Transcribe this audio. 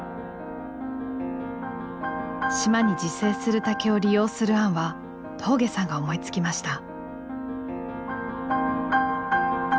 島に自生する竹を利用する案は峠さんが思いつきました。